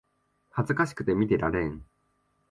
恥ずかしくて見てられん